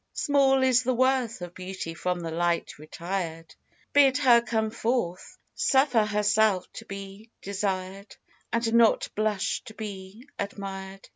Small is the worth Of beauty from the light retired; Bid her come forth, Suffer herself to be desired, And not blush so to be admired.